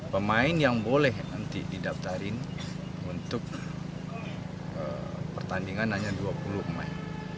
pemain yang boleh nanti didaftarin untuk pertandingan hanya dua puluh pemain